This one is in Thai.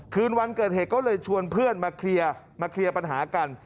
คืนวันเกิดเหตุก็เลยชวนเพื่อนมาเคลียร์มาเคลียร์ปัญหากัน